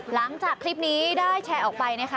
หลังจากคลิปนี้ได้แชร์ออกไปนะคะ